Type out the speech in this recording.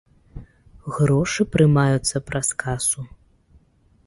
Грошы прымаюцца праз касу.